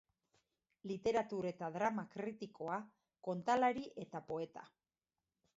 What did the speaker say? Literatur eta drama kritikoa, kontalari eta poeta.